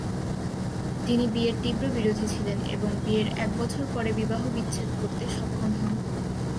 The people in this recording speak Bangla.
তিনি বিয়ের তীব্র বিরোধী ছিলেন, এবং বিয়ের এক বছর পরে বিবাহবিচ্ছেদ করতে সক্ষম হন।